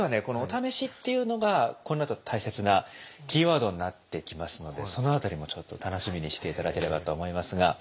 この「お試し」っていうのがこのあとの大切なキーワードになってきますのでその辺りもちょっと楽しみにして頂ければと思いますが。